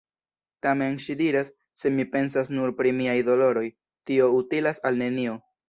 Tamen ŝi diras: “Se mi pensas nur pri miaj doloroj, tio utilas al nenio.